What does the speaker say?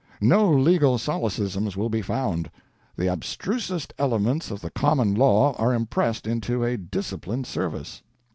No legal solecisms will be found. The abstrusest elements of the common law are impressed into a disciplined service.